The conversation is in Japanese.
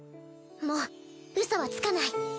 もうウソはつかない。